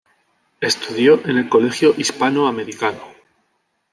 Estudió en el Colegio Hispano Americano.